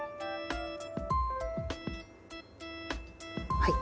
はい。